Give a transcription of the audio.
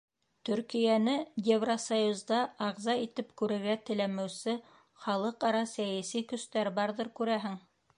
Төркиәне Евросоюзда ағза итеп күрергә теләмәүсе халыҡ-ара сәйәси көстәр барҙыр, күрәһең.